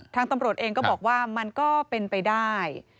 ทางตำรวจเองก็บอกว่ามันก็เป็นไปได้